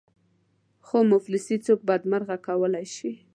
خو مفلسي څوک بدمرغه کولای شي.